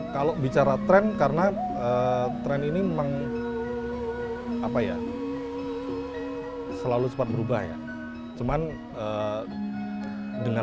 kalau bicara tren karena tren ini memang apa ya selalu sempat berubah ya cuman dengan